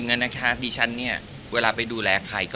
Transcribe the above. สิ่งหนึ่งอะนะคะที่ฉันเนี่ยเวลาไปดูแลใครก็แล้วแต่เนี่ย